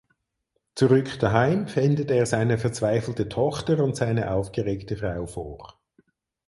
Zurück daheim findet er seine verzweifelte Tochter und seine aufgeregte Frau vor.